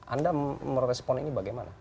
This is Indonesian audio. anda merespon ini bagaimana